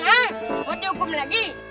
mau dihukum lagi